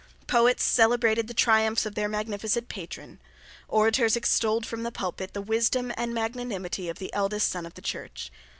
Poets celebrated the triumphs of their magnificent patron. Orators extolled from the pulpit the wisdom and magnanimity of the eldest son of the Church.